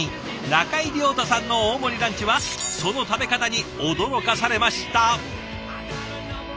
中井涼太さんの大盛りランチはその食べ方に驚かされました。